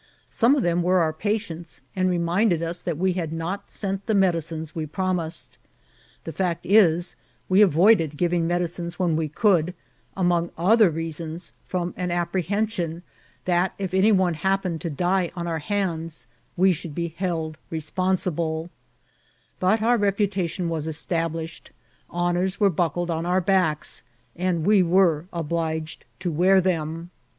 Some of them were our patients, and reminded us that we had not sent the medicines we promised. The fact is, we avoid ed giving medicines when we could, among other rea sons, from an apprehension that if any one happened to die on our hands we should be held responsible; but our reputation was established ; honours were buck led on our backs, and we were obliged to wear them.